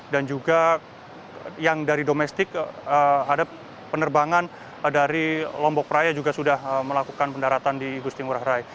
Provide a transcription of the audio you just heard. dan juga yang dari domestik hadap penerbangan dari lombok raya juga sudah melakukan pendaratan di igusti ngurah rai